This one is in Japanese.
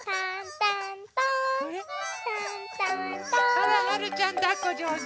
あらはるちゃんだっこじょうず。